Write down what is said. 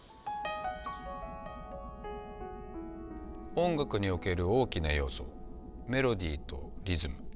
音楽における大きな要素メロディーとリズム。